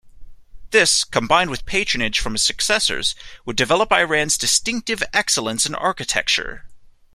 This, combined with patronage from his successors, would develop Iran's distinctive excellence in architecture.